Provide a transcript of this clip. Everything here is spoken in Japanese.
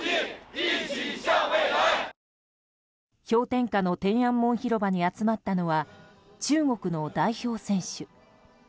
氷点下の天安門広場に集まったのは中国の代表選手。